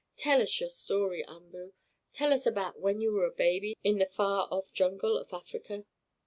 "Tell us your story, Umboo! Tell us about when you were a baby in the far off jungle of Africa."